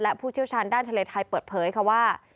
และผู้เชี่ยวชาญด้านทะเลไทยเปิดเผยค่ะว่า